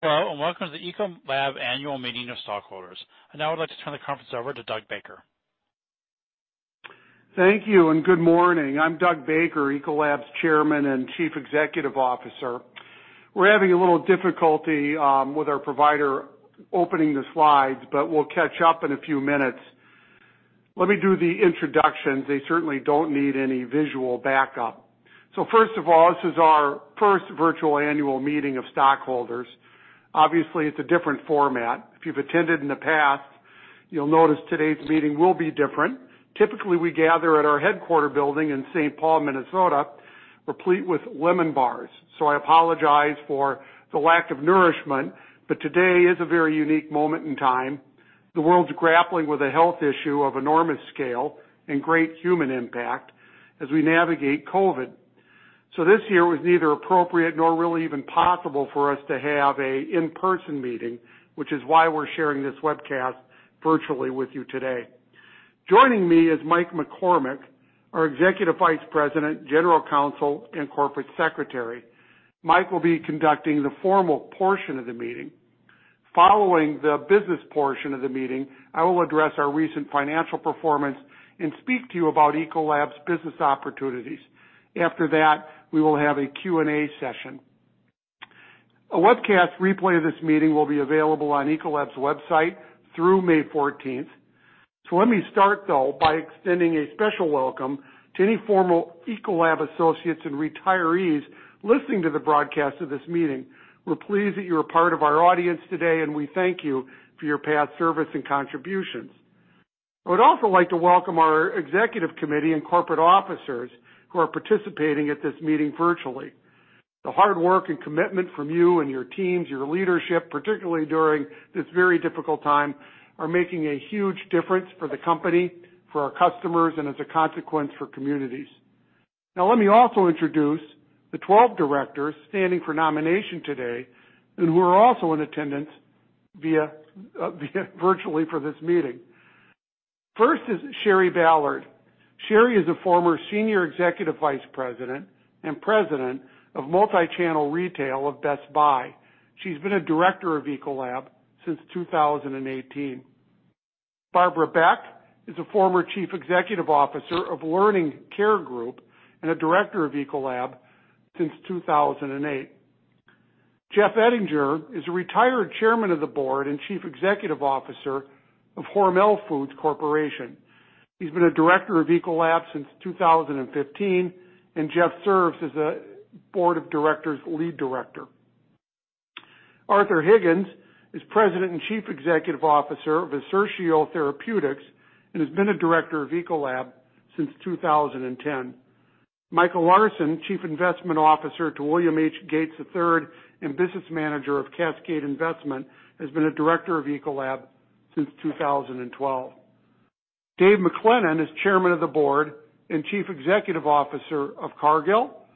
Hello, welcome to the Ecolab Annual Meeting of Stockholders. I now would like to turn the conference over to Doug Baker. Thank you and good morning. I'm Doug Baker, Ecolab's Chairman and Chief Executive Officer. We're having a little difficulty with our provider opening the slides. We'll catch up in a few minutes. Let me do the introductions. They certainly don't need any visual backup. First of all, this is our first virtual annual meeting of stockholders. Obviously, it's a different format. If you've attended in the past, you'll notice today's meeting will be different. Typically, we gather at our headquarter building in St. Paul, Minnesota, replete with lemon bars. I apologize for the lack of nourishment. Today is a very unique moment in time. The world's grappling with a health issue of enormous scale and great human impact as we navigate COVID. This year was neither appropriate nor really even possible for us to have an in-person meeting, which is why we're sharing this webcast virtually with you today. Joining me is Mike McCormick, our Executive Vice President, General Counsel, and Corporate Secretary. Mike will be conducting the formal portion of the meeting. Following the business portion of the meeting, I will address our recent financial performance and speak to you about Ecolab's business opportunities. After that, we will have a Q&A session. A webcast replay of this meeting will be available on Ecolab's website through May 14th. Let me start, though, by extending a special welcome to any former Ecolab associates and retirees listening to the broadcast of this meeting. We're pleased that you're a part of our audience today, and we thank you for your past service and contributions. I would also like to welcome our executive committee and corporate officers who are participating at this meeting virtually. The hard work and commitment from you and your teams, your leadership, particularly during this very difficult time, are making a huge difference for the company, for our customers, and as a consequence, for communities. Let me also introduce the 12 directors standing for nomination today and who are also in attendance virtually for this meeting. First is Shari Ballard. Shari is a former Senior Executive Vice President and President of Multi-Channel Retail of Best Buy. She's been a director of Ecolab since 2018. Barbara Beck is a former Chief Executive Officer of Learning Care Group and a director of Ecolab since 2008. Jeff Ettinger is a retired Chairman of the Board and Chief Executive Officer of Hormel Foods Corporation. He's been a director of Ecolab since 2015, and Jeff serves as a Board of Directors' Lead Director. Arthur Higgins is President and Chief Executive Officer of Assertio Therapeutics and has been a director of Ecolab since 2010. Michael Larson, Chief Investment Officer to William H. Gates III and Business Manager of Cascade Investment, has been a director of Ecolab since 2012. Dave MacLennan is Chairman of the Board and Chief Executive Officer of Cargill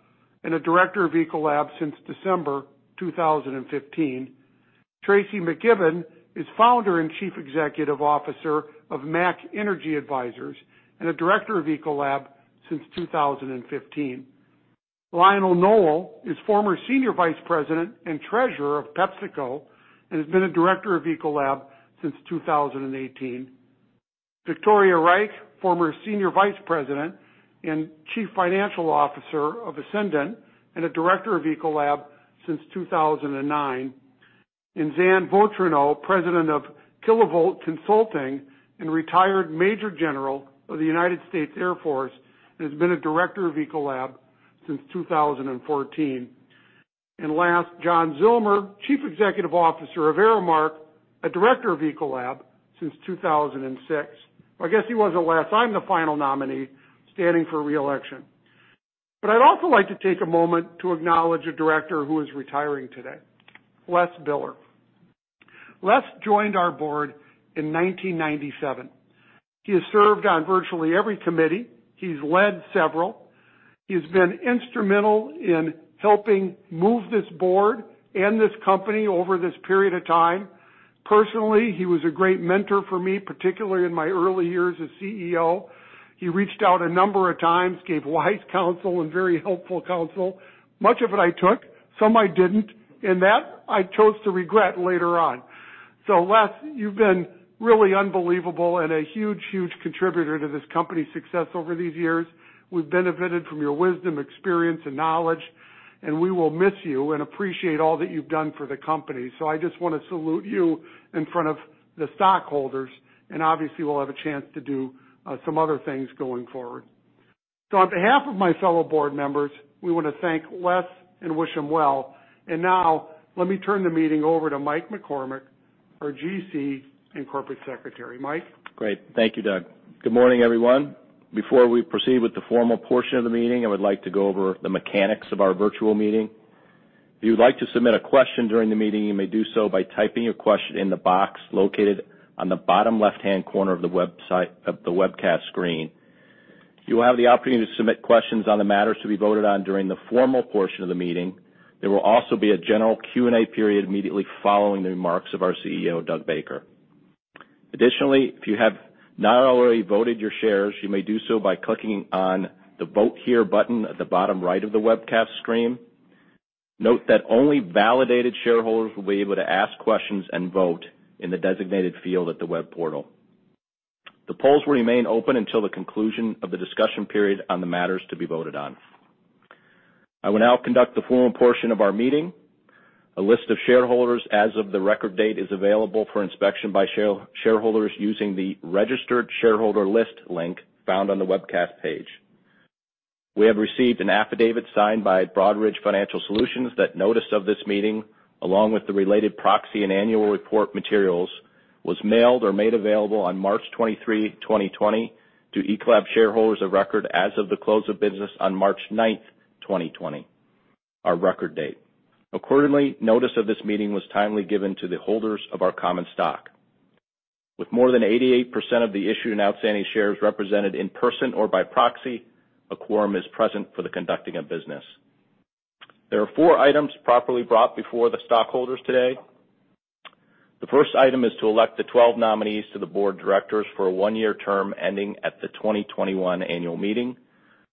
and a director of Ecolab since December 2015. Tracy McKibben is founder and Chief Executive Officer of MAC Energy Advisors and a director of Ecolab since 2015. Lionel Nowell is former Senior Vice President and Treasurer of PepsiCo and has been a director of Ecolab since 2018. Victoria Reich, former Senior Vice President and Chief Financial Officer of Essendant and a director of Ecolab since 2009. Suzanne Vautrinot, President of Kilovolt Consulting and retired Major General of the United States Air Force, and has been a director of Ecolab since 2014. Last, John Zillmer, Chief Executive Officer of Aramark, a director of Ecolab since 2006. Well, I guess he wasn't last. I'm the final nominee standing for re-election. I'd also like to take a moment to acknowledge a director who is retiring today, Les Biller. Les joined our board in 1997. He has served on virtually every committee. He's led several. He's been instrumental in helping move this board and this company over this period of time. Personally, he was a great mentor for me, particularly in my early years as CEO. He reached out a number of times, gave wise counsel and very helpful counsel. Much of it I took, some I didn't, and that I chose to regret later on. Les, you've been really unbelievable and a huge, huge contributor to this company's success over these years. We've benefited from your wisdom, experience, and knowledge, and we will miss you and appreciate all that you've done for the company. I just want to salute you in front of the stockholders, and obviously, we'll have a chance to do some other things going forward. On behalf of my fellow board members, we want to thank Les and wish him well. Now, let me turn the meeting over to Mike McCormick, our GC, and Corporate Secretary. Mike? Great. Thank you, Doug. Good morning, everyone. Before we proceed with the formal portion of the meeting, I would like to go over the mechanics of our virtual meeting. If you would like to submit a question during the meeting, you may do so by typing your question in the box located on the bottom left-hand corner of the webcast screen. You will have the opportunity to submit questions on the matters to be voted on during the formal portion of the meeting. There will also be a general Q&A period immediately following the remarks of our CEO, Doug Baker. Additionally, if you have not already voted your shares, you may do so by clicking on the Vote Here button at the bottom right of the webcast screen. Note that only validated shareholders will be able to ask questions and vote in the designated field at the web portal. The polls will remain open until the conclusion of the discussion period on the matters to be voted on. I will now conduct the formal portion of our meeting. A list of shareholders as of the record date is available for inspection by shareholders using the Registered Shareholder List link found on the webcast page. We have received an affidavit signed by Broadridge Financial Solutions that notice of this meeting, along with the related proxy and annual report materials, was mailed or made available on March 23, 2020, to Ecolab shareholders of record as of the close of business on March 9th, 2020, our record date. Accordingly, notice of this meeting was timely given to the holders of our common stock. With more than 88% of the issued and outstanding shares represented in person or by proxy, a quorum is present for the conducting of business. There are four items properly brought before the stockholders today. The first item is to elect the 12 nominees to the board of directors for a one-year term ending at the 2021 annual meeting.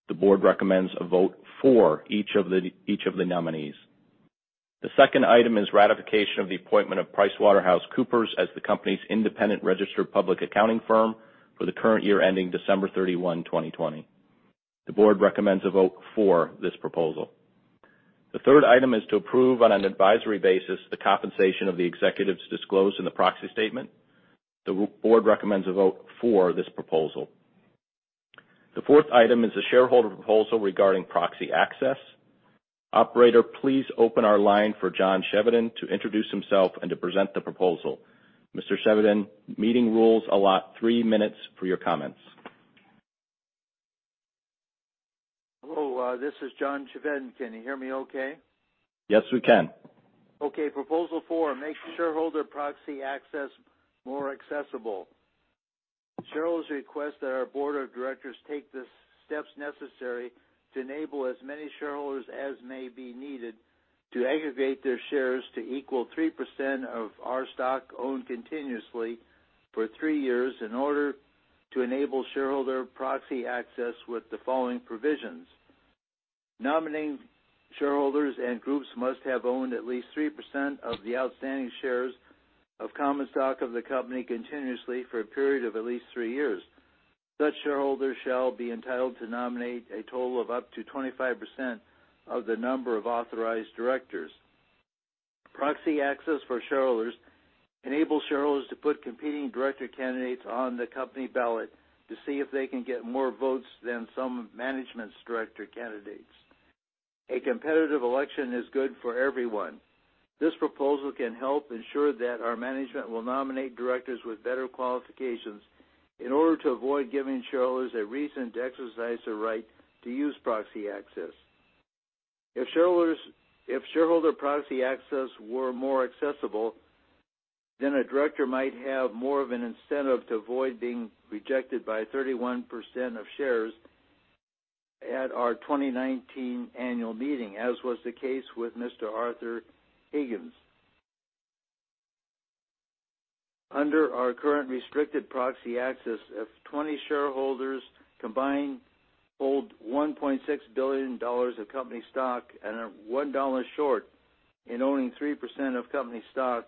The board recommends a vote for each of the nominees. The second item is ratification of the appointment of PricewaterhouseCoopers as the company's independent registered public accounting firm for the current year ending December 31, 2020. The board recommends a vote for this proposal. The third item is to approve on an advisory basis the compensation of the executives disclosed in the proxy statement. The board recommends a vote for this proposal. The fourth item is a shareholder proposal regarding proxy access. Operator, please open our line for John Chevedden to introduce himself and to present the proposal. Mr. Chevedden, meeting rules allot three minutes for your comments. Hello, this is John Chevedden. Can you hear me okay? Yes, we can. Okay. Proposal four, make shareholder proxy access more accessible. Shareholders request that our board of directors take the steps necessary to enable as many shareholders as may be needed to aggregate their shares to equal 3% of our stock owned continuously for three years in order to enable shareholder proxy access with the following provisions. Nominating shareholders and groups must have owned at least 3% of the outstanding shares of common stock of the company continuously for a period of at least three years. Such shareholders shall be entitled to nominate a total of up to 25% of the number of authorized directors. Proxy access for shareholders enables shareholders to put competing director candidates on the company ballot to see if they can get more votes than some of management's director candidates. A competitive election is good for everyone. This proposal can help ensure that our management will nominate directors with better qualifications in order to avoid giving shareholders a reason to exercise their right to use proxy access. If shareholder proxy access were more accessible, a director might have more of an incentive to avoid being rejected by 31% of shares at our 2019 annual meeting, as was the case with Mr. Arthur Higgins. Under our current restricted proxy access, if 20 shareholders combined hold $1.6 billion of company stock and are $1 short in owning 3% of company stock,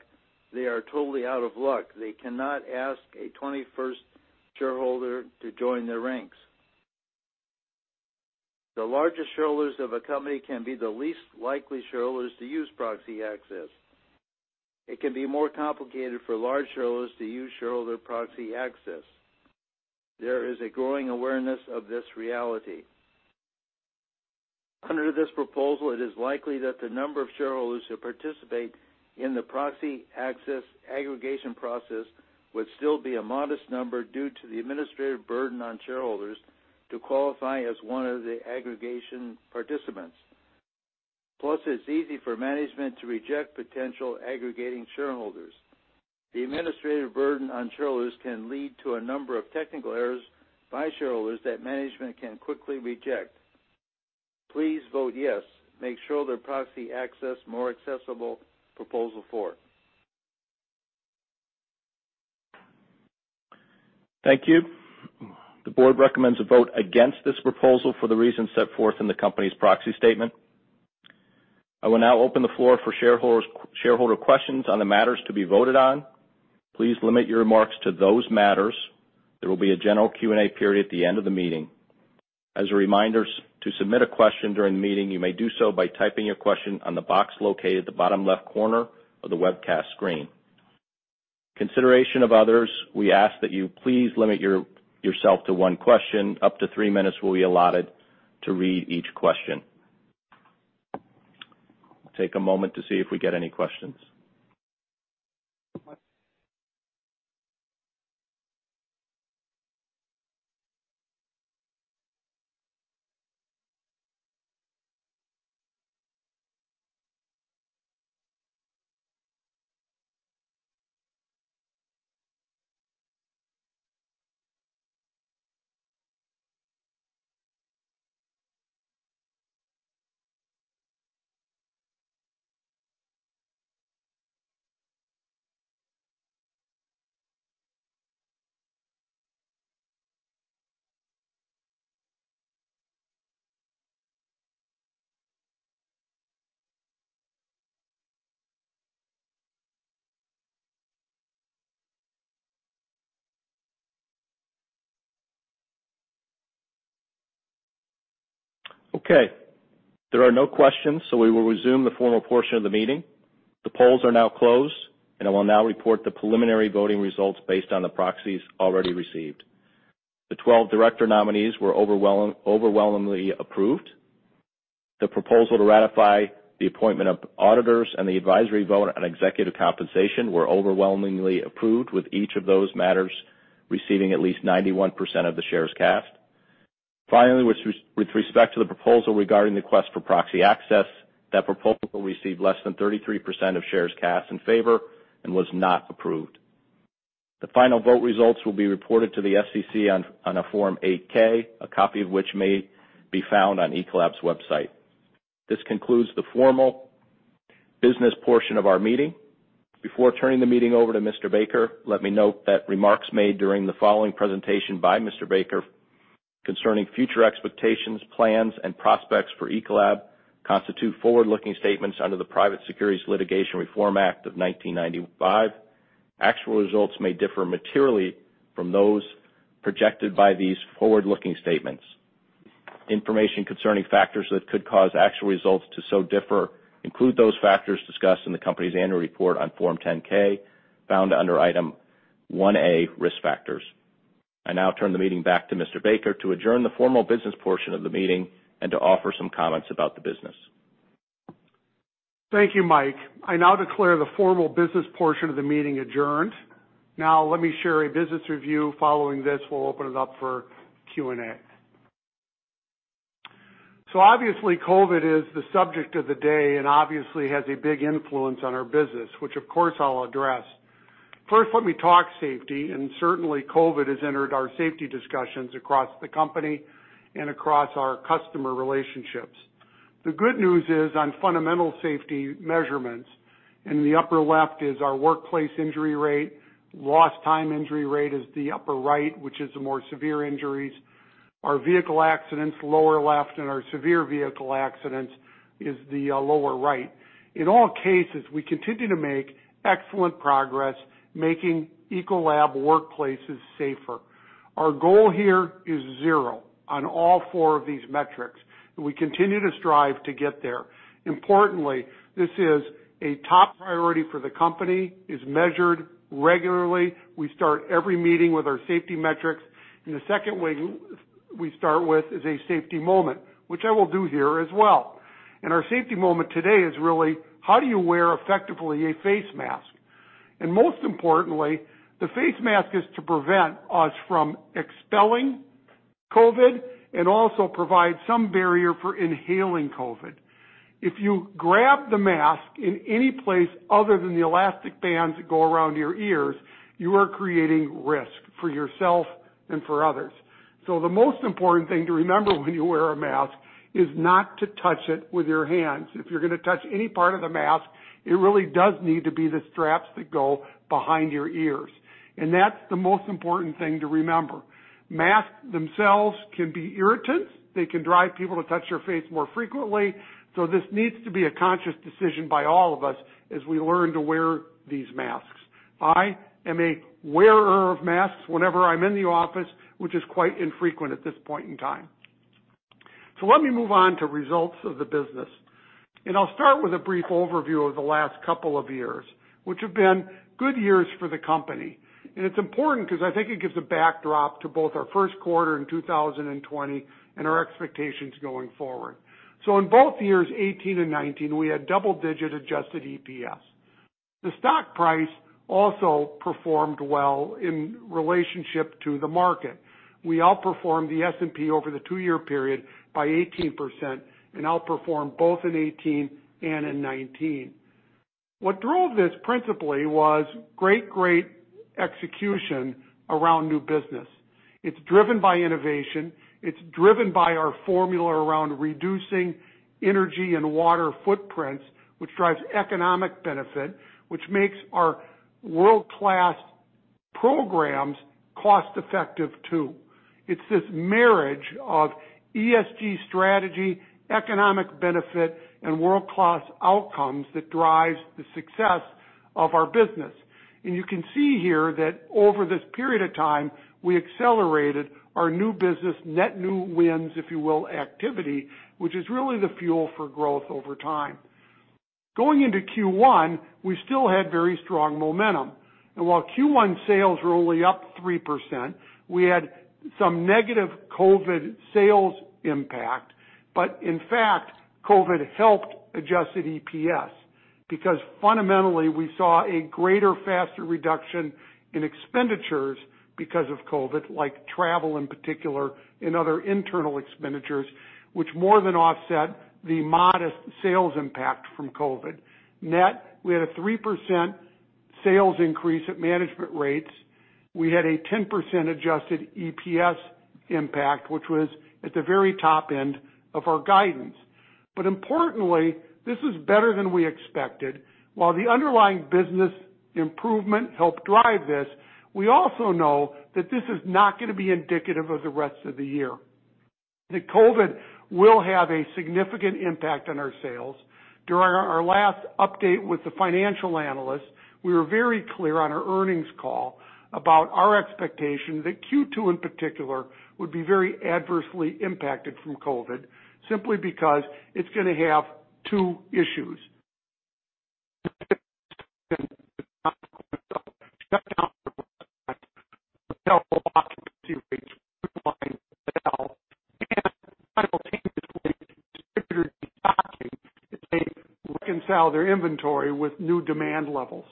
they are totally out of luck. They cannot ask a 21st shareholder to join their ranks. The largest shareholders of a company can be the least likely shareholders to use proxy access. It can be more complicated for large shareholders to use shareholder proxy access. There is a growing awareness of this reality. Under this proposal, it is likely that the number of shareholders who participate in the proxy access aggregation process would still be a modest number due to the administrative burden on shareholders to qualify as one of the aggregation participants. It's easy for management to reject potential aggregating shareholders. The administrative burden on shareholders can lead to a number of technical errors by shareholders that management can quickly reject. Please vote yes. Make shareholder proxy access more accessible, proposal 4. Thank you. The board recommends a vote against this proposal for the reasons set forth in the company's proxy statement. I will now open the floor for shareholder questions on the matters to be voted on. Please limit your remarks to those matters. There will be a general Q&A period at the end of the meeting. As a reminder, to submit a question during the meeting, you may do so by typing your question on the box located at the bottom left corner of the webcast screen. Consideration of others, we ask that you please limit yourself to one question. Up to three minutes will be allotted to read each question. I'll take a moment to see if we get any questions. Okay. There are no questions, so we will resume the formal portion of the meeting. The polls are now closed, and I will now report the preliminary voting results based on the proxies already received. The 12 director nominees were overwhelmingly approved. The proposal to ratify the appointment of auditors and the advisory vote on executive compensation were overwhelmingly approved, with each of those matters receiving at least 91% of the shares cast. Finally, with respect to the proposal regarding the quest for proxy access, that proposal received less than 33% of shares cast in favor and was not approved. The final vote results will be reported to the SEC on a Form 8-K, a copy of which may be found on Ecolab's website. This concludes the formal business portion of our meeting. Before turning the meeting over to Mr. Baker, let me note that remarks made during the following presentation by Mr. Baker concerning future expectations, plans, and prospects for Ecolab constitute forward-looking statements under the Private Securities Litigation Reform Act of 1995. Actual results may differ materially from those projected by these forward-looking statements. Information concerning factors that could cause actual results to so differ include those factors discussed in the company's annual report on Form 10-K, found under Item 1A, Risk Factors. I now turn the meeting back to Mr. Baker to adjourn the formal business portion of the meeting and to offer some comments about the business. Thank you, Mike. I now declare the formal business portion of the meeting adjourned. Let me share a business review. Following this, we'll open it up for Q&A. Obviously, COVID is the subject of the day and obviously has a big influence on our business, which of course I'll address. First, let me talk safety, and certainly COVID has entered our safety discussions across the company and across our customer relationships. The good news is on fundamental safety measurements. In the upper left is our workplace injury rate. Lost time injury rate is the upper right, which is the more severe injuries. Our vehicle accidents, lower left, and our severe vehicle accidents is the lower right. In all cases, we continue to make excellent progress making Ecolab workplaces safer. Our goal here is zero on all four of these metrics, and we continue to strive to get there. Importantly, this is a top priority for the company. It's measured regularly. We start every meeting with our safety metrics, and the second way we start with is a safety moment, which I will do here as well. Our safety moment today is really how do you wear effectively a face mask? Most importantly, the face mask is to prevent us from expelling COVID and also provide some barrier for inhaling COVID. If you grab the mask in any place other than the elastic bands that go around your ears, you are creating risk for yourself and for others. The most important thing to remember when you wear a mask is not to touch it with your hands. If you're going to touch any part of the mask, it really does need to be the straps that go behind your ears. That's the most important thing to remember. Masks themselves can be irritants. They can drive people to touch their face more frequently. This needs to be a conscious decision by all of us as we learn to wear these masks. I am a wearer of masks whenever I'm in the office, which is quite infrequent at this point in time. Let me move on to results of the business. I'll start with a brief overview of the last couple of years, which have been good years for the company. It's important because I think it gives a backdrop to both our first quarter in 2020 and our expectations going forward. In both years, 2018 and 2019, we had double-digit adjusted EPS. The stock price also performed well in relationship to the market. We outperformed the S&P over the two-year period by 18% and outperformed both in 2018 and in 2019. What drove this principally was great execution around new business. It's driven by innovation. It's driven by our formula around reducing energy and water footprints, which drives economic benefit, which makes our world-class programs cost-effective too. It's this marriage of ESG strategy, economic benefit, and world-class outcomes that drives the success of our business. You can see here that over this period of time, we accelerated our new business net new wins, if you will, activity, which is really the fuel for growth over time. Going into Q1, we still had very strong momentum, and while Q1 sales were only up 3%, we had some negative COVID sales impact. In fact, COVID helped adjusted EPS because fundamentally we saw a greater, faster reduction in expenditures because of COVID, like travel in particular and other internal expenditures, which more than offset the modest sales impact from COVID. Net, we had a 3% sales increase at management rates. We had a 10% adjusted EPS impact, which was at the very top end of our guidance. Importantly, this is better than we expected. While the underlying business improvement helped drive this, we also know that this is not going to be indicative of the rest of the year. COVID will have a significant impact on our sales. During our last update with the financial analysts, we were very clear on our earnings call about our expectation that Q2, in particular, would be very adversely impacted from COVID, simply because it's going to have two issues. Inventory with new demand levels.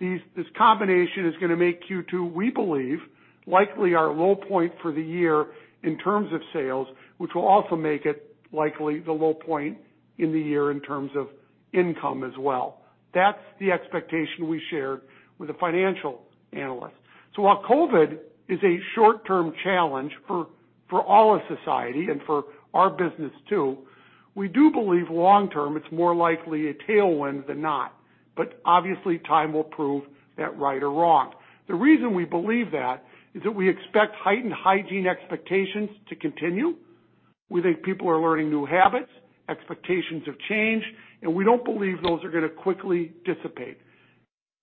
This combination is going to make Q2, we believe, likely our low point for the year in terms of sales, which will also make it likely the low point in the year in terms of income as well. That's the expectation we shared with the financial analyst. While COVID is a short-term challenge for all of society and for our business too, we do believe long-term, it's more likely a tailwind than not. Obviously, time will prove that right or wrong. The reason we believe that is that we expect heightened hygiene expectations to continue. We think people are learning new habits. Expectations have changed, and we don't believe those are going to quickly dissipate.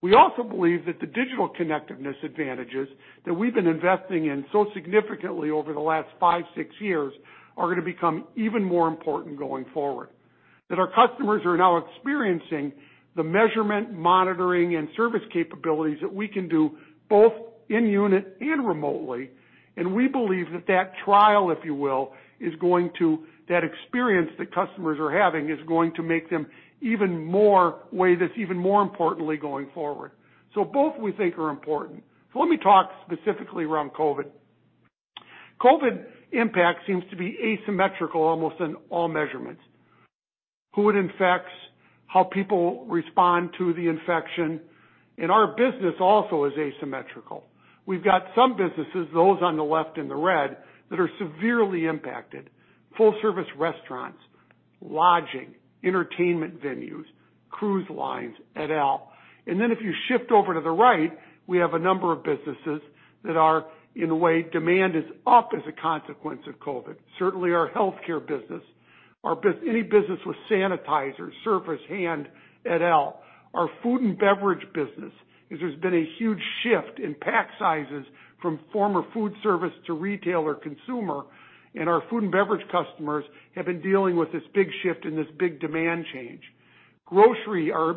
We also believe that the digital connectiveness advantages that we've been investing in so significantly over the last five, six years are going to become even more important going forward. That our customers are now experiencing the measurement, monitoring, and service capabilities that we can do both in-unit and remotely. We believe that that trial, if you will, that experience that customers are having, is going to make them weigh this even more importantly going forward. Both, we think, are important. Let me talk specifically around COVID. COVID impact seems to be asymmetrical almost in all measurements. Who it infects, how people respond to the infection, and our business also is asymmetrical. We've got some businesses, those on the left in the red, that are severely impacted. Full service restaurants, lodging, entertainment venues, cruise lines, et al. If you shift over to the right, we have a number of businesses that are, in a way, demand is up as a consequence of COVID. Certainly our healthcare business, any business with sanitizers, surface, hand, et al. Our food and beverage business, there's been a huge shift in pack sizes from former food service to retail or consumer. Our food and beverage customers have been dealing with this big shift and this big demand change. Grocery, our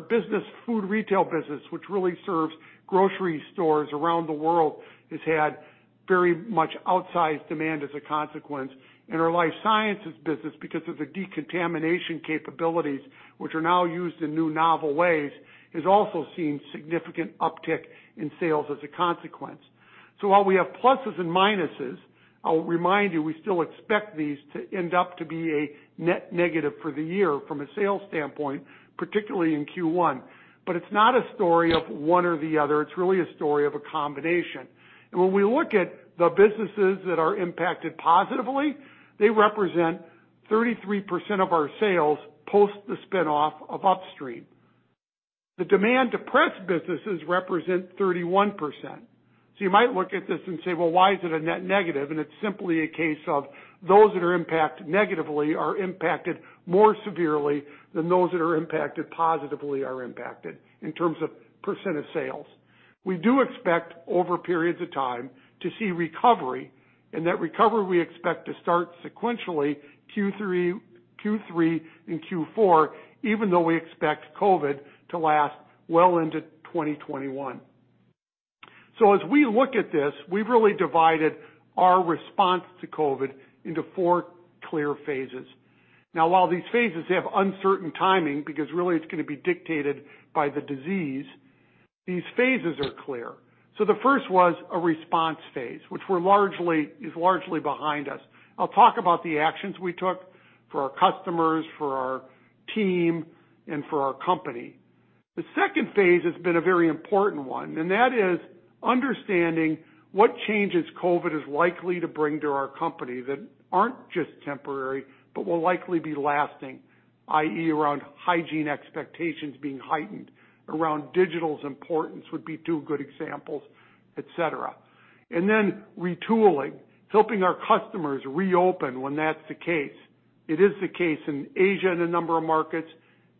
food retail business, which really serves grocery stores around the world, has had very much outsized demand as a consequence. Our Life Sciences business, because of the decontamination capabilities, which are now used in new novel ways, has also seen significant uptick in sales as a consequence. While we have pluses and minuses, I'll remind you, we still expect these to end up to be a net negative for the year from a sales standpoint, particularly in Q1. It's not a story of one or the other. It's really a story of a combination. When we look at the businesses that are impacted positively, they represent 33% of our sales post the spin-off of upstream. The demand-depressed businesses represent 31%. You might look at this and say, "Well, why is it a net negative?" It's simply a case of those that are impacted negatively are impacted more severely than those that are impacted positively are impacted in terms of percent of sales. We do expect over periods of time to see recovery, that recovery we expect to start sequentially Q3 and Q4, even though we expect COVID to last well into 2021. As we look at this, we've really divided our response to COVID into four clear phases. While these phases have uncertain timing, because really it's going to be dictated by the disease, these phases are clear. The first was a response phase, which is largely behind us. I'll talk about the actions we took for our customers, for our team, and for our company. The second phase has been a very important one, and that is understanding what changes COVID is likely to bring to our company that aren't just temporary, but will likely be lasting, i.e., around hygiene expectations being heightened, around digital's importance would be two good examples, et cetera. Then retooling. Helping our customers reopen when that's the case. It is the case in Asia in a number of markets.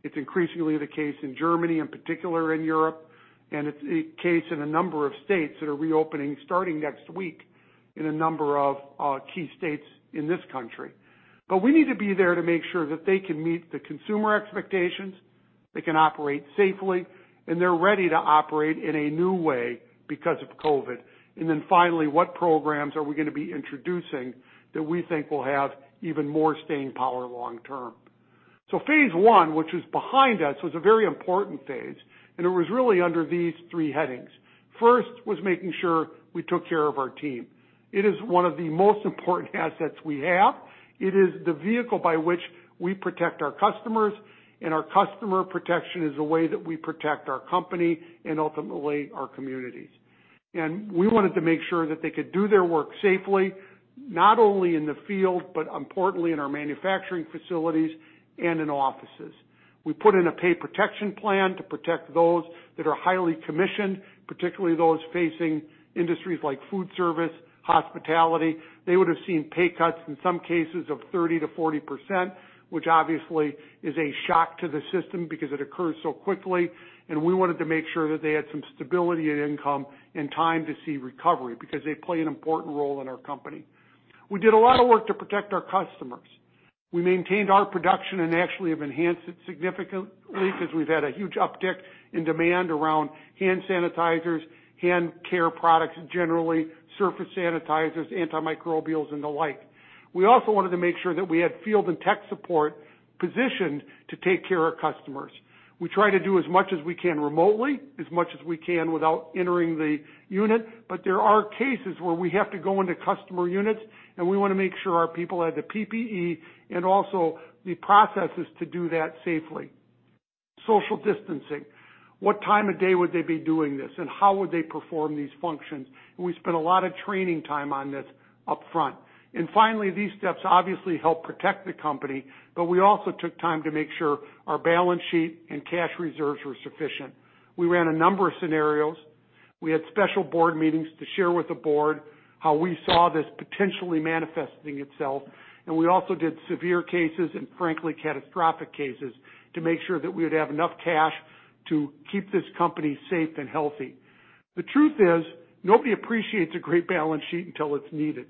It's increasingly the case in Germany, in particular in Europe, and it's the case in a number of states that are reopening starting next week in a number of key states in this country. We need to be there to make sure that they can meet the consumer expectations, they can operate safely, and they're ready to operate in a new way because of COVID. Finally, what programs are we going to be introducing that we think will have even more staying power long term? Phase I, which was behind us, was a very important phase, and it was really under these three headings. First was making sure we took care of our team. It is one of the most important assets we have. It is the vehicle by which we protect our customers, our customer protection is the way that we protect our company and ultimately our communities. We wanted to make sure that they could do their work safely, not only in the field, but importantly in our manufacturing facilities and in offices. We put in a pay protection plan to protect those that are highly commissioned, particularly those facing industries like food service, hospitality. They would have seen pay cuts in some cases of 30%-40%, which obviously is a shock to the system because it occurs so quickly, and we wanted to make sure that they had some stability and income and time to see recovery because they play an important role in our company. We did a lot of work to protect our customers. We maintained our production and actually have enhanced it significantly because we've had a huge uptick in demand around hand sanitizers, hand care products, generally, surface sanitizers, antimicrobials, and the like. We also wanted to make sure that we had field and tech support positioned to take care of customers. We try to do as much as we can remotely, as much as we can without entering the unit. There are cases where we have to go into customer units, and we want to make sure our people have the PPE and also the processes to do that safely. Social distancing, what time of day would they be doing this, and how would they perform these functions. We spent a lot of training time on this upfront. Finally, these steps obviously help protect the company, but we also took time to make sure our balance sheet and cash reserves were sufficient. We ran a number of scenarios. We had special board meetings to share with the board how we saw this potentially manifesting itself, and we also did severe cases and frankly, catastrophic cases to make sure that we would have enough cash to keep this company safe and healthy. The truth is, nobody appreciates a great balance sheet until it's needed.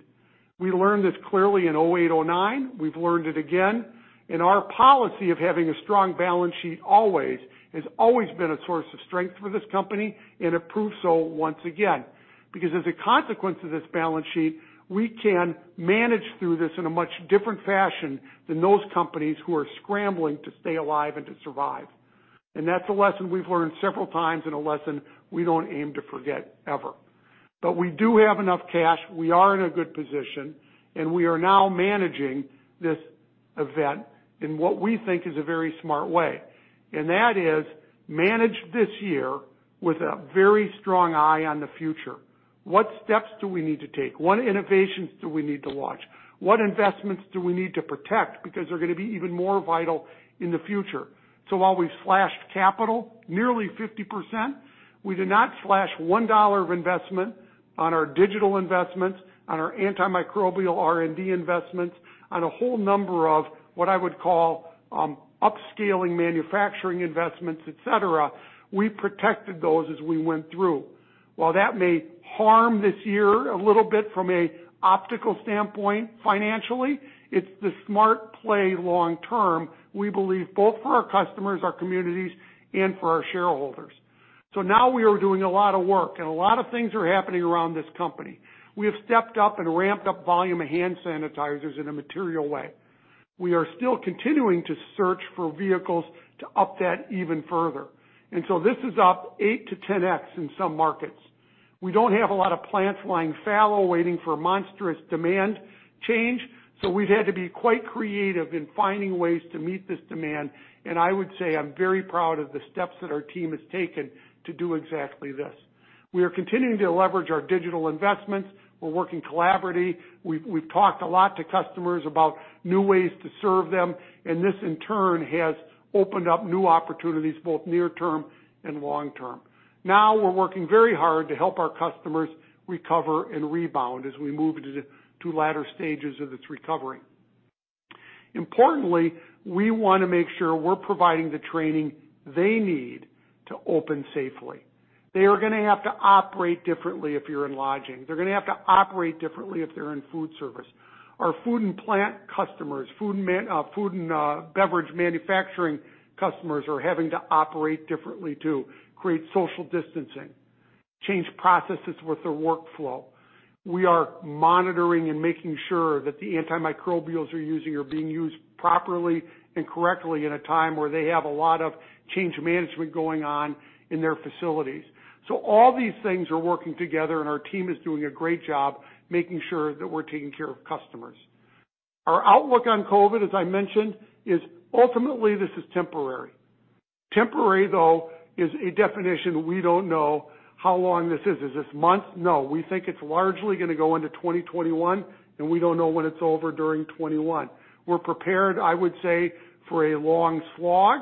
We learned this clearly in 2008, 2009. We've learned it again. Our policy of having a strong balance sheet always has always been a source of strength for this company, and it proved so once again. Because as a consequence of this balance sheet, we can manage through this in a much different fashion than those companies who are scrambling to stay alive and to survive. That's a lesson we've learned several times and a lesson we don't aim to forget, ever. We do have enough cash. We are in a good position, and we are now managing this event in what we think is a very smart way. That is manage this year with a very strong eye on the future. What steps do we need to take? What innovations do we need to watch? What investments do we need to protect? Because they're going to be even more vital in the future. While we've slashed capital nearly 50%, we did not slash $1 of investment on our digital investments, on our antimicrobial R&D investments, on a whole number of what I would call upscaling manufacturing investments, et cetera. We protected those as we went through. While that may harm this year a little bit from an optical standpoint, financially, it's the smart play long-term, we believe, both for our customers, our communities, and for our shareholders. Now we are doing a lot of work and a lot of things are happening around this company. We have stepped up and ramped up volume of hand sanitizers in a material way. We are still continuing to search for vehicles to up that even further. This is up 8x-10x in some markets. We don't have a lot of plants lying fallow, waiting for monstrous demand change. We've had to be quite creative in finding ways to meet this demand, and I would say I'm very proud of the steps that our team has taken to do exactly this. We are continuing to leverage our digital investments. We're working collaboratively. We've talked a lot to customers about new ways to serve them, and this, in turn, has opened up new opportunities, both near-term and long-term. We're working very hard to help our customers recover and rebound as we move into the latter stages of this recovery. Importantly, we want to make sure we're providing the training they need to open safely. They are going to have to operate differently if you're in lodging. They're going to have to operate differently if they're in food service. Our food and plant customers, food and beverage manufacturing customers are having to operate differently too, create social distancing, change processes with their workflow. We are monitoring and making sure that the antimicrobials they're using are being used properly and correctly in a time where they have a lot of change management going on in their facilities. All these things are working together and our team is doing a great job making sure that we're taking care of customers. Our outlook on COVID, as I mentioned, is ultimately this is temporary. Temporary, though, is a definition we don't know how long this is. Is this months? No. We think it's largely going to go into 2021, and we don't know when it's over during 2021. We're prepared, I would say, for a long slog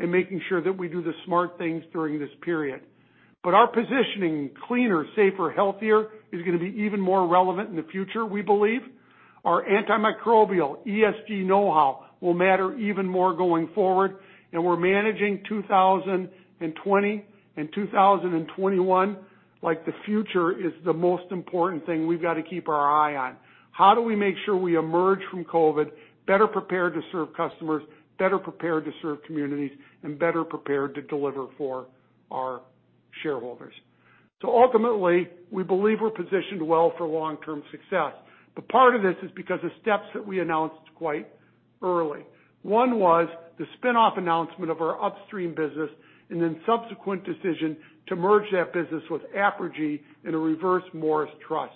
and making sure that we do the smart things during this period. Our positioning, cleaner, safer, healthier, is going to be even more relevant in the future, we believe. Our antimicrobial ESG know-how will matter even more going forward, and we're managing 2020 and 2021 like the future is the most important thing we've got to keep our eye on. How do we make sure we emerge from COVID better prepared to serve customers, better prepared to serve communities, and better prepared to deliver for our shareholders? Ultimately, we believe we're positioned well for long-term success. Part of this is because the steps that we announced quite early. One was the spin-off announcement of our upstream business and then subsequent decision to merge that business with Apergy in a Reverse Morris Trust.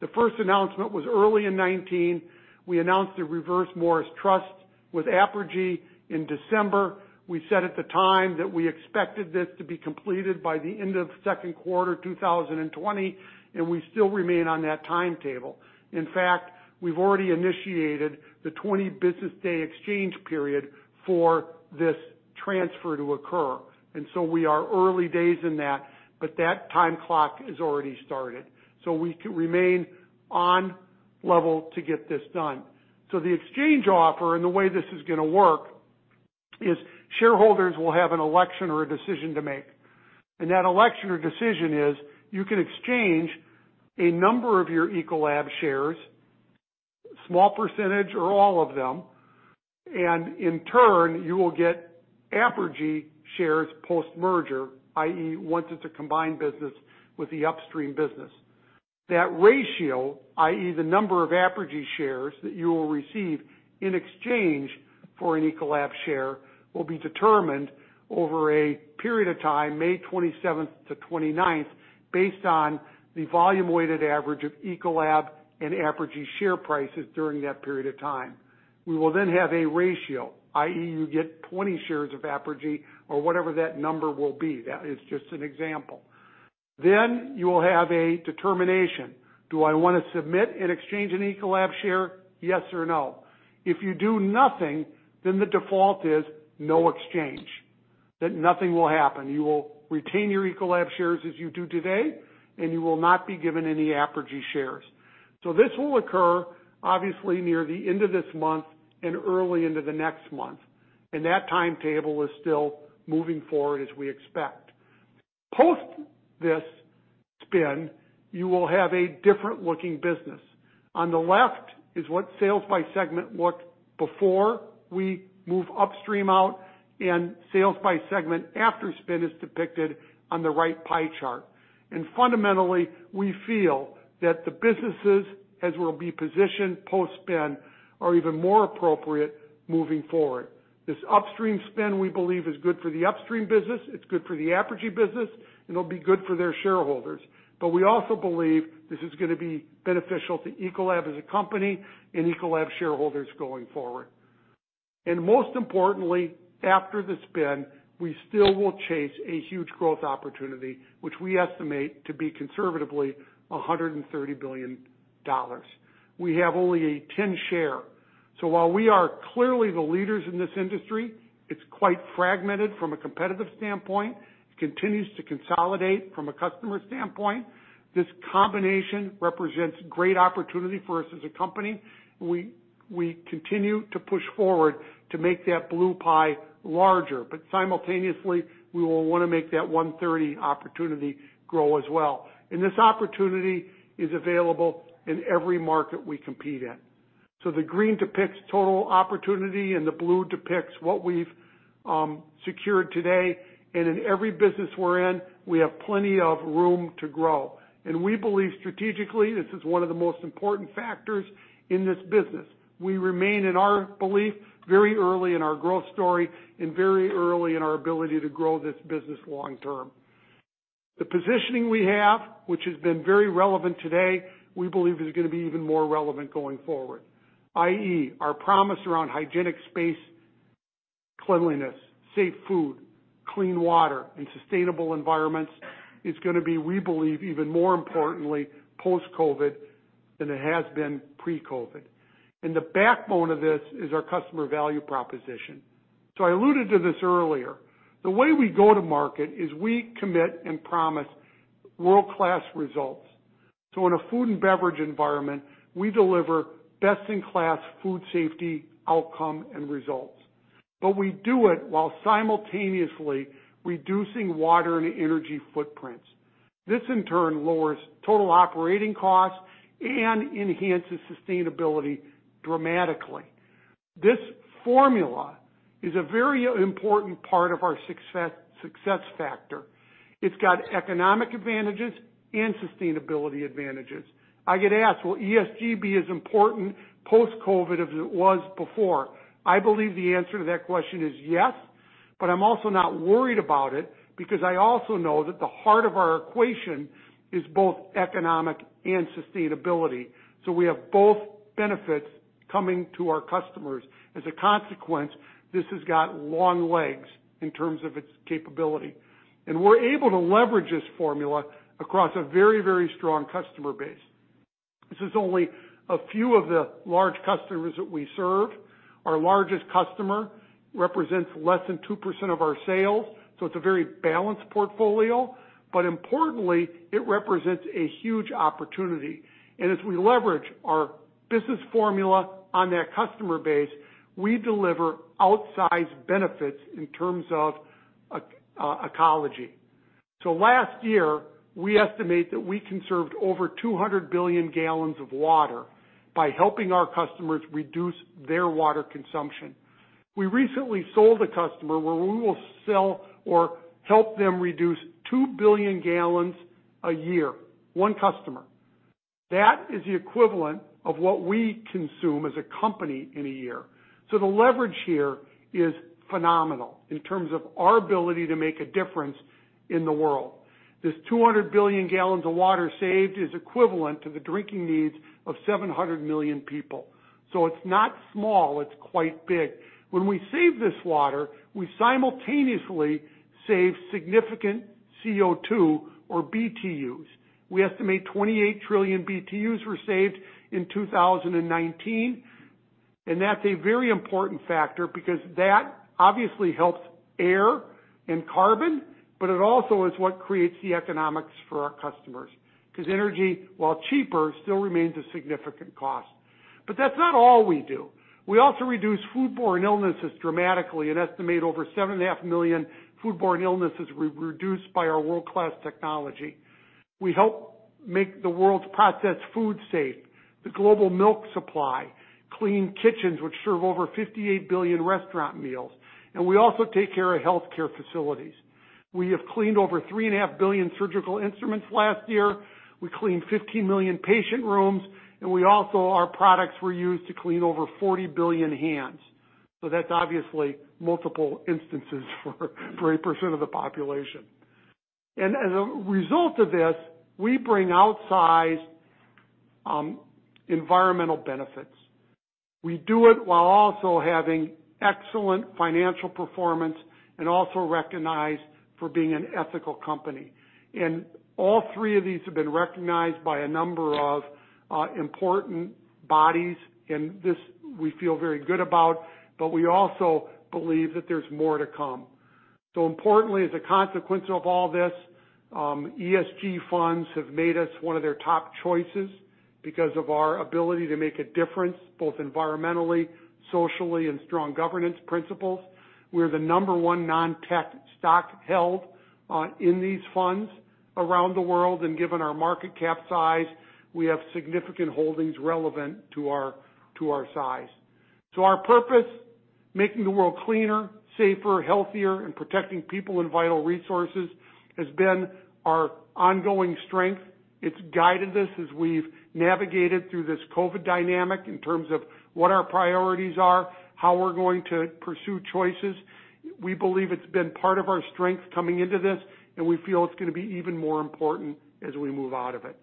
The first announcement was early in 2019. We announced a Reverse Morris Trust with Apergy in December. We said at the time that we expected this to be completed by the end of second quarter 2020, and we still remain on that timetable. In fact, we've already initiated the 20-business day exchange period for this transfer to occur, and so we are early days in that, but that time clock has already started. We remain on level to get this done. The exchange offer and the way this is going to work is shareholders will have an election or a decision to make. That election or decision is you can exchange a number of your Ecolab shares, small percentage or all of them, and in turn, you will get Apergy shares post-merger, i.e., once it's a combined business with the upstream business. That ratio, i.e., the number of Apergy shares that you will receive in exchange for an Ecolab share, will be determined over a period of time, May 27th to May 29th, based on the volume-weighted average of Ecolab and Apergy share prices during that period of time. We will have a ratio, i.e., you get 20 shares of Apergy or whatever that number will be. That is just an example. You will have a determination. Do I want to submit and exchange an Ecolab share? Yes or no? If you do nothing, then the default is no exchange, that nothing will happen. You will retain your Ecolab shares as you do today, and you will not be given any Apergy shares. This will occur obviously near the end of this month and early into the next month, and that timetable is still moving forward as we expect. Post this spin, you will have a different looking business. On the left is what sales by segment looked before we move Upstream out, and sales by segment after spin is depicted on the right pie chart. Fundamentally, we feel that the businesses, as will be positioned post-spin, are even more appropriate moving forward. This Upstream spin, we believe, is good for the Upstream business, it's good for the Apergy business, and it'll be good for their shareholders. We also believe this is going to be beneficial to Ecolab as a company and Ecolab shareholders going forward. Most importantly, after the spin, we still will chase a huge growth opportunity, which we estimate to be conservatively $130 billion. We have only a 10% share. While we are clearly the leaders in this industry, it's quite fragmented from a competitive standpoint. It continues to consolidate from a customer standpoint. This combination represents great opportunity for us as a company. We continue to push forward to make that blue pie larger. Simultaneously, we will want to make that 130 opportunity grow as well. This opportunity is available in every market we compete in. The green depicts total opportunity and the blue depicts what we've secured today. In every business we're in, we have plenty of room to grow. We believe strategically, this is one of the most important factors in this business. We remain, in our belief, very early in our growth story and very early in our ability to grow this business long term. The positioning we have, which has been very relevant today, we believe is going to be even more relevant going forward, i.e., our promise around hygienic space, cleanliness, safe food, clean water, and sustainable environments is going to be, we believe, even more importantly post-COVID than it has been pre-COVID. The backbone of this is our customer value proposition. I alluded to this earlier. The way we go to market is we commit and promise world-class results. In a food and beverage environment, we deliver best-in-class food safety outcome and results. We do it while simultaneously reducing water and energy footprints. This in turn lowers total operating costs and enhances sustainability dramatically. This formula is a very important part of our success factor. It's got economic advantages and sustainability advantages. I get asked, will ESG be as important post-COVID as it was before? I believe the answer to that question is yes. I'm also not worried about it because I also know that the heart of our equation is both economic and sustainability. We have both benefits coming to our customers. As a consequence, this has got long legs in terms of its capability. We're able to leverage this formula across a very, very strong customer base. This is only a few of the large customers that we serve. Our largest customer represents less than 2% of our sales, so it's a very balanced portfolio, but importantly, it represents a huge opportunity. As we leverage our business formula on that customer base, we deliver outsized benefits in terms of ecology. Last year, we estimate that we conserved over 200 billion gallons of water by helping our customers reduce their water consumption. We recently sold a customer where we will sell or help them reduce 2 billion gallons a year. One customer. That is the equivalent of what we consume as a company in a year. The leverage here is phenomenal in terms of our ability to make a difference in the world. This 200 billion gallons of water saved is equivalent to the drinking needs of 700 million people. It's not small, it's quite big. When we save this water, we simultaneously save significant CO2 or BTUs. We estimate 28 trillion BTUs were saved in 2019, and that's a very important factor because that obviously helps air and carbon, but it also is what creates the economics for our customers, because energy, while cheaper, still remains a significant cost. That's not all we do. We also reduce foodborne illnesses dramatically and estimate over 7.5 million foodborne illnesses were reduced by our world-class technology. We help make the world's processed food safe, the global milk supply, clean kitchens which serve over 58 billion restaurant meals, and we also take care of healthcare facilities. We have cleaned over 3.5 billion surgical instruments last year. We cleaned 15 million patient rooms, and we also, our products were used to clean over 40 billion hands. That's obviously multiple instances for 80% of the population. As a result of this, we bring outsized environmental benefits. We do it while also having excellent financial performance and also recognized for being an ethical company. All three of these have been recognized by a number of important bodies, and this we feel very good about. We also believe that there's more to come. Importantly, as a consequence of all this, ESG funds have made us one of their top choices because of our ability to make a difference, both environmentally, socially, and strong governance principles. We're the number one non-tech stock held in these funds around the world, and given our market cap size, we have significant holdings relevant to our size. Our purpose, making the world cleaner, safer, healthier, and protecting people and vital resources, has been our ongoing strength. It's guided us as we've navigated through this COVID dynamic in terms of what our priorities are, how we're going to pursue choices. We believe it's been part of our strength coming into this. We feel it's going to be even more important as we move out of it.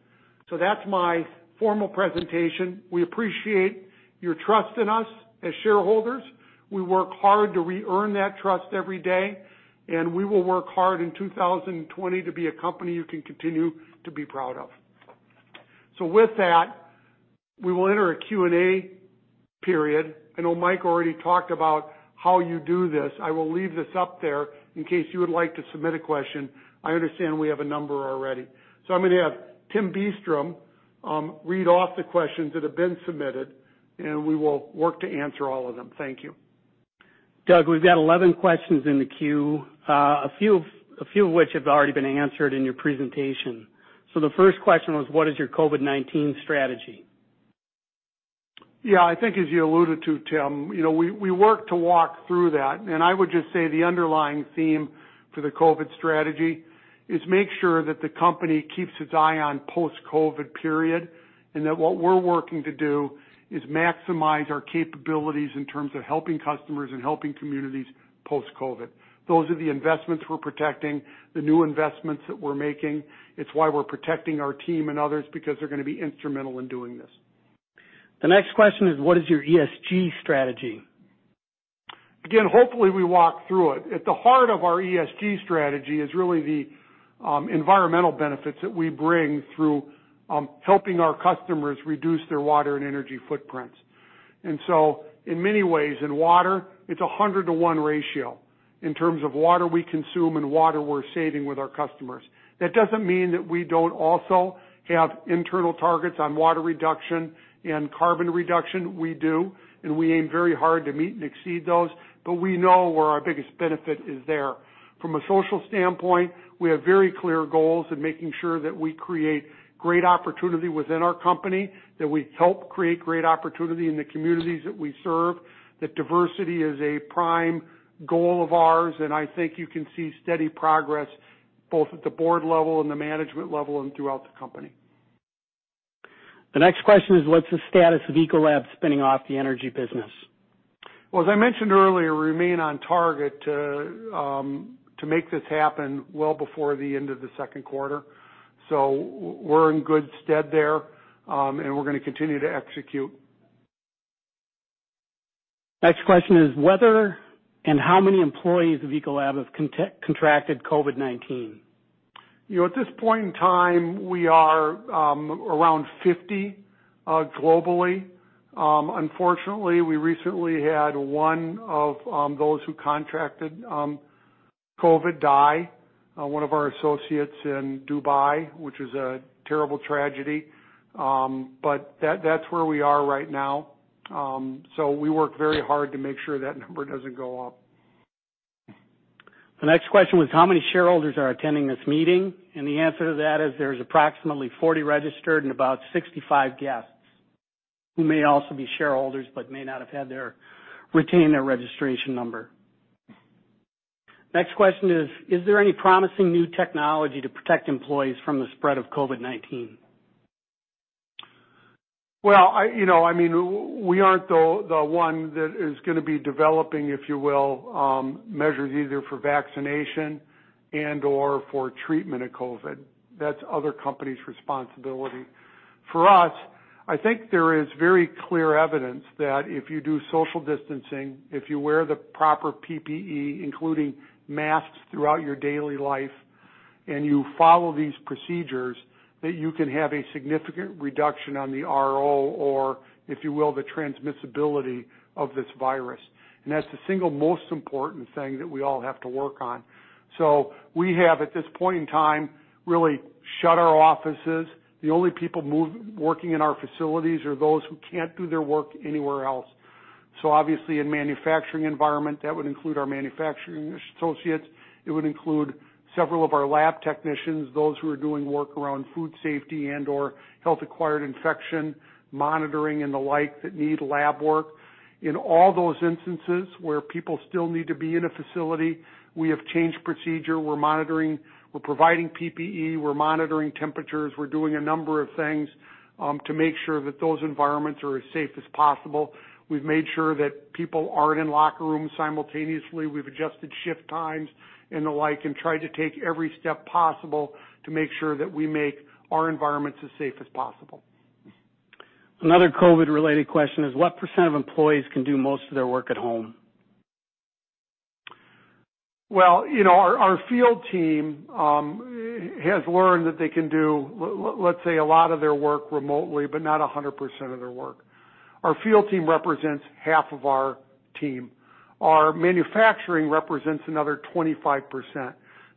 That's my formal presentation. We appreciate your trust in us as shareholders. We work hard to re-earn that trust every day. We will work hard in 2020 to be a company you can continue to be proud of. With that, we will enter a Q&A period. I know Mike already talked about how you do this. I will leave this up there in case you would like to submit a question. I understand we have a number already. I'm going to have Tim Beastrom read off the questions that have been submitted. We will work to answer all of them. Thank you. Doug, we've got 11 questions in the queue, a few of which have already been answered in your presentation. The first question was, what is your COVID-19 strategy? Yeah, I think as you alluded to, Tim, we worked to walk through that. I would just say the underlying theme for the COVID strategy is make sure that the company keeps its eye on post-COVID period, and that what we're working to do is maximize our capabilities in terms of helping customers and helping communities post-COVID. Those are the investments we're protecting, the new investments that we're making. It's why we're protecting our team and others, because they're going to be instrumental in doing this. The next question is, what is your ESG strategy? Hopefully we walk through it. At the heart of our ESG strategy is really the environmental benefits that we bring through helping our customers reduce their water and energy footprints. In many ways, in water, it's 100:1 ratio in terms of water we consume and water we're saving with our customers. That doesn't mean that we don't also have internal targets on water reduction and carbon reduction, we do, and we aim very hard to meet and exceed those. We know where our biggest benefit is there. From a social standpoint, we have very clear goals in making sure that we create great opportunity within our company, that we help create great opportunity in the communities that we serve, that diversity is a prime goal of ours. I think you can see steady progress both at the board level and the management level and throughout the company. The next question is, what's the status of Ecolab spinning off the energy business? Well, as I mentioned earlier, we remain on target to make this happen well before the end of the second quarter. We're in good stead there. We're going to continue to execute. Next question is, whether and how many employees of Ecolab have contracted COVID-19? At this point in time, we are around 50 globally. Unfortunately, we recently had one of those who contracted COVID die, one of our associates in Dubai, which is a terrible tragedy. That's where we are right now. We work very hard to make sure that number doesn't go up. The next question was how many shareholders are attending this meeting? The answer to that is there's approximately 40 registered and about 65 guests who may also be shareholders, but may not have had or retained their registration number. Next question is: Is there any promising new technology to protect employees from the spread of COVID-19? Well, we aren't the one that is going to be developing, if you will, measures either for vaccination and/or for treatment of COVID. That's other companies' responsibility. For us, I think there is very clear evidence that if you do social distancing, if you wear the proper PPE, including masks throughout your daily life, and you follow these procedures, that you can have a significant reduction on the R0 or, if you will, the transmissibility of this virus. That's the single most important thing that we all have to work on. We have, at this point in time, really shut our offices. The only people working in our facilities are those who can't do their work anywhere else. Obviously in manufacturing environment, that would include our manufacturing associates. It would include several of our lab technicians, those who are doing work around food safety and/or health-acquired infection monitoring and the like that need lab work. In all those instances where people still need to be in a facility, we have changed procedure. We're monitoring, we're providing PPE, we're monitoring temperatures. We're doing a number of things, to make sure that those environments are as safe as possible. We've made sure that people aren't in locker rooms simultaneously. We've adjusted shift times and the like, and tried to take every step possible to make sure that we make our environments as safe as possible. Another COVID-related question is: What percent of employees can do most of their work at home? Our field team has learned that they can do, let's say, a lot of their work remotely, but not 100% of their work. Our field team represents half of our team. Our manufacturing represents another 25%.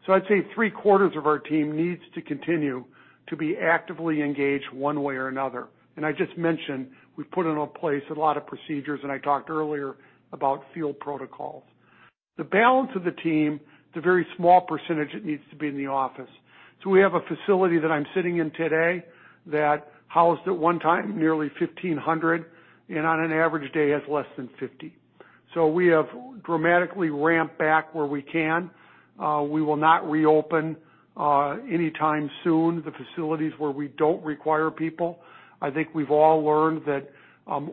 I'd say three-quarters of our team needs to continue to be actively engaged one way or another. I just mentioned, we've put into place a lot of procedures, and I talked earlier about field protocols. The balance of the team, it's a very small percentage that needs to be in the office. We have a facility that I'm sitting in today that housed at one time nearly 1,500, and on an average day has less than 50. We have dramatically ramped back where we can. We will not reopen anytime soon the facilities where we don't require people. I think we've all learned that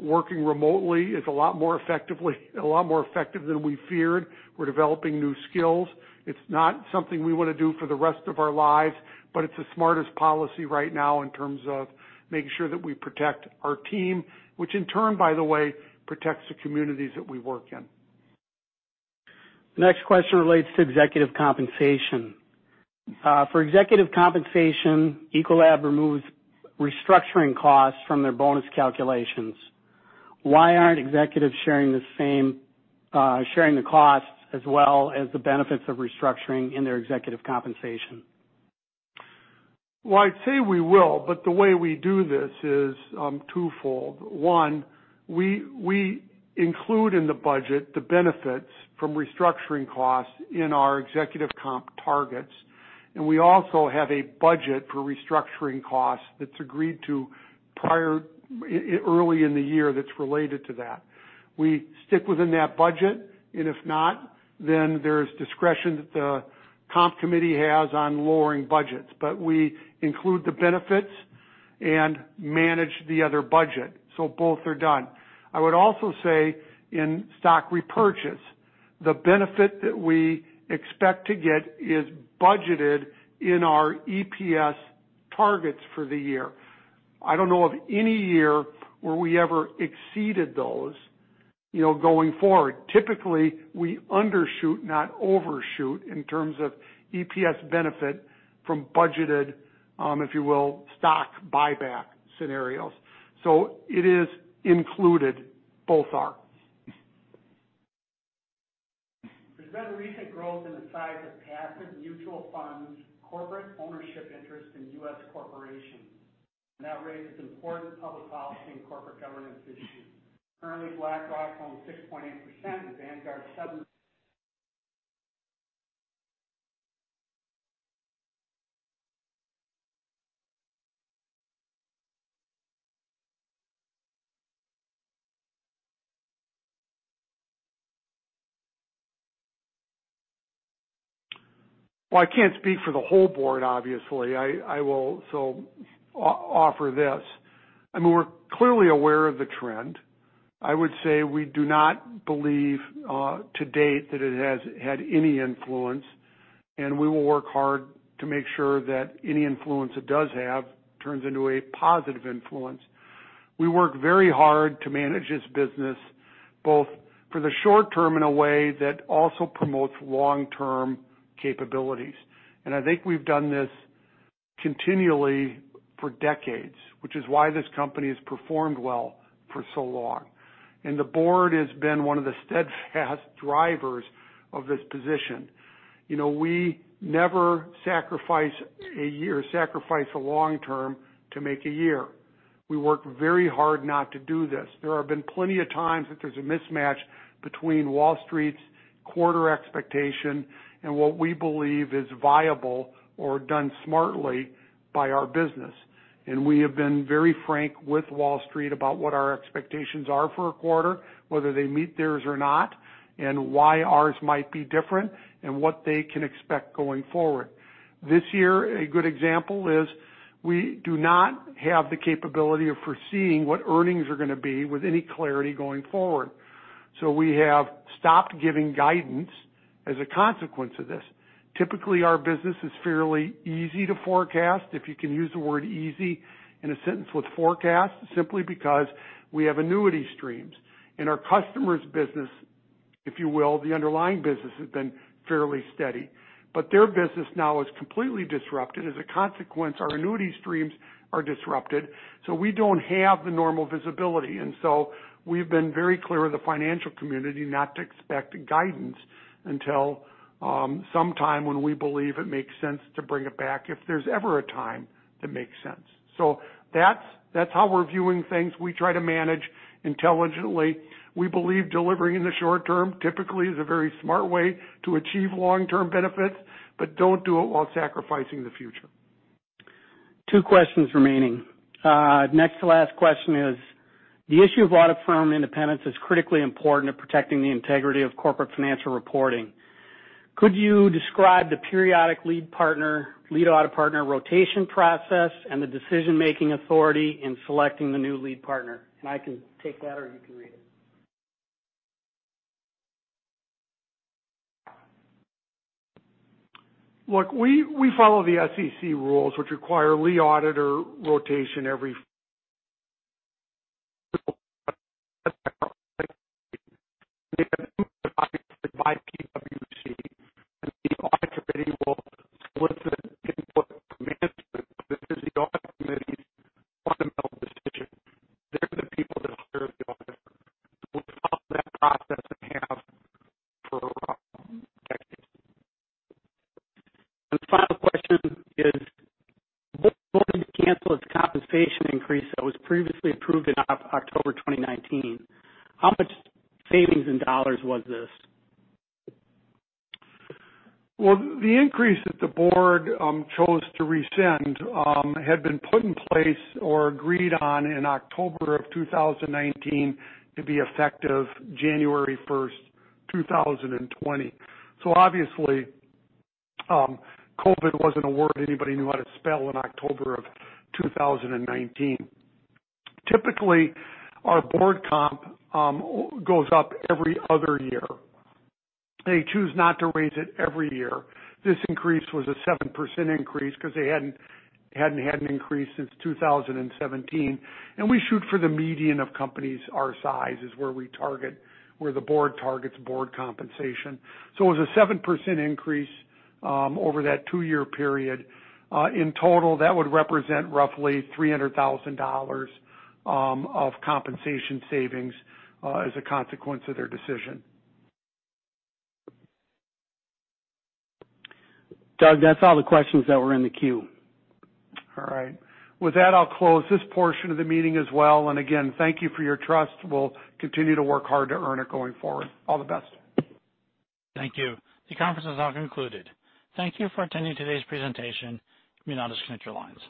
working remotely is a lot more effective than we feared. We're developing new skills. It's not something we want to do for the rest of our lives, but it's the smartest policy right now in terms of making sure that we protect our team, which in turn, by the way, protects the communities that we work in. The next question relates to executive compensation. For executive compensation, Ecolab removes restructuring costs from their bonus calculations. Why aren't executives sharing the costs as well as the benefits of restructuring in their executive compensation? I'd say we will, but the way we do this is twofold. One, we include in the budget the benefits from restructuring costs in our executive comp targets. We also have a budget for restructuring costs that's agreed to early in the year that's related to that. We stick within that budget. If not, then there's discretion that the comp committee has on lowering budgets. We include the benefits and manage the other budget. Both are done. I would also say in stock repurchase, the benefit that we expect to get is budgeted in our EPS targets for the year. I don't know of any year where we ever exceeded those going forward. Typically, we undershoot, not overshoot, in terms of EPS benefit from budgeted, if you will, stock buyback scenarios. It is included. Both are. There's been recent growth in the size of passive mutual funds, corporate ownership interest in U.S. corporations, and that raises important public policy and corporate governance issues. Currently, BlackRock owns 6.8% and Vanguard 7%. Well, I can't speak for the whole board, obviously. I will offer this. We're clearly aware of the trend. I would say we do not believe to date that it has had any influence, and we will work hard to make sure that any influence it does have turns into a positive influence. We work very hard to manage this business, both for the short term in a way that also promotes long-term capabilities. I think we've done this continually for decades, which is why this company has performed well for so long. The board has been one of the steadfast drivers of this position. We never sacrifice a long term to make a year. We work very hard not to do this. There have been plenty of times that there's a mismatch between Wall Street's quarter expectation and what we believe is viable or done smartly by our business. We have been very frank with Wall Street about what our expectations are for a quarter, whether they meet theirs or not, and why ours might be different, and what they can expect going forward. This year, a good example is we do not have the capability of foreseeing what earnings are going to be with any clarity going forward. We have stopped giving guidance as a consequence of this. Typically, our business is fairly easy to forecast, if you can use the word easy in a sentence with forecast, simply because we have annuity streams. Our customer's business, if you will, the underlying business has been fairly steady. Their business now is completely disrupted. As a consequence, our annuity streams are disrupted. We don't have the normal visibility. We've been very clear with the financial community not to expect guidance until sometime when we believe it makes sense to bring it back, if there's ever a time that makes sense. That's how we're viewing things. We try to manage intelligently. We believe delivering in the short term typically is a very smart way to achieve long-term benefits, but don't do it while sacrificing the future. Two questions remaining. Next to last question is: The issue of audit firm independence is critically important to protecting the integrity of corporate financial reporting. Could you describe the periodic lead audit partner rotation process and the decision-making authority in selecting the new lead partner? I can take that or you can read it. Look, we follow the SEC rules, which require lead auditor rotation every. The final question is, the board canceled its compensation increase that was previously approved in October 2019. How much savings in dollars was this? Well, the increase that the board chose to rescind had been put in place or agreed on in October of 2019 to be effective January 1st, 2020. Obviously, COVID wasn't a word anybody knew how to spell in October of 2019. Typically, our board comp goes up every other year. They choose not to raise it every year. This increase was a 7% increase because they hadn't had an increase since 2017. We shoot for the median of companies our size is where the board targets board compensation. It was a 7% increase over that two-year period. In total, that would represent roughly $300,000 of compensation savings as a consequence of their decision. Doug, that's all the questions that were in the queue. All right. With that, I'll close this portion of the meeting as well. Again, thank you for your trust. We'll continue to work hard to earn it going forward. All the best. Thank you. The conference is now concluded. Thank you for attending today's presentation. You may now disconnect your lines.